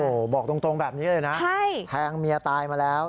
โอ้โหบอกตรงแบบนี้เลยนะแทงเมียตายมาแล้ว